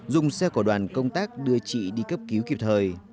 dùng xe của đoàn công tác đưa chị đi cấp cứu kịp thời